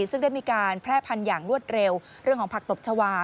ซึ่งได้มีการแพร่พันธุ์อย่างรวดเร็วเรื่องของผักตบชาวา